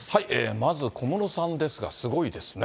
まず、小室さんですが、すごいですね。